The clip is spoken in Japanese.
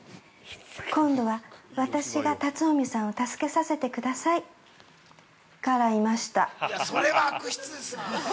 ◆今度は私が龍臣さんを助けさせてください、からいました。